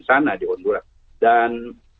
sana di honduran dan